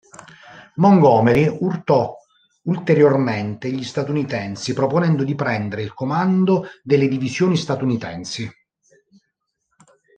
Montgomery urtò ulteriormente gli statunitensi proponendo di prendere il comando delle divisioni statunitensi.